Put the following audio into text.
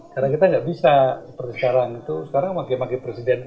karena kita tidak bisa sekarang itu sekarang wakil wakil presiden pun